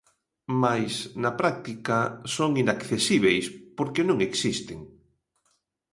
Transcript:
Máis na práctica son inaccesíbeis, porque non existen.